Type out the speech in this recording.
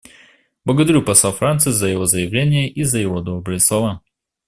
Благодарю посла Франции за его заявление и за его добрые слова.